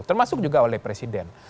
termasuk juga oleh presiden